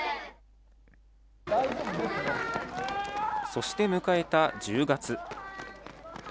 そして迎えた１０月。